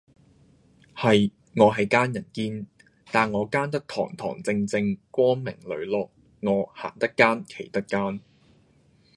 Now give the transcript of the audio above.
係，我係奸人堅，但我奸得堂堂正正，光明磊落，我行得奸，企得奸!